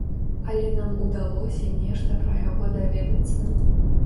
Але нам удалося нешта пра яго даведацца.